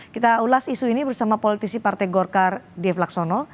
kita ulas isu ini bersama politisi partai golkar dev laksono